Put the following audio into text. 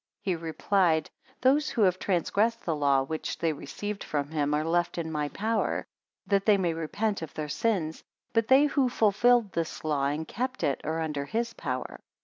He replied, those who have transgressed the law, which they received from him, are left in my power, that they may repent of their sins: but they who fulfilled this law and kept it, are under his power.